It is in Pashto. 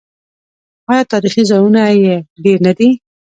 آیا تاریخي ځایونه یې ډیر نه دي؟